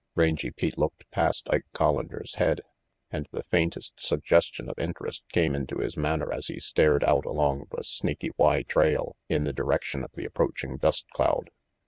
Rangy Pete looked past Ike Collander's head, and the faintest suggestion of interest came into his manner as he stared out along the Snaky Y trail in the direction of the approaching dust cloud.